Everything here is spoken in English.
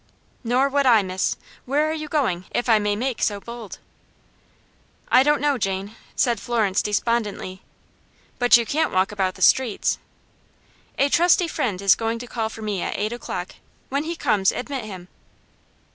"Nor would I, miss. Where are you going, if I may make so bold?" "I don't know, Jane," said Florence, despondently. "But you can't walk about the streets." "A trusty friend is going to call for me at eight o'clock; when he comes admit him."